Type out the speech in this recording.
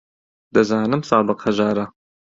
دەزانم سادق هەژارە.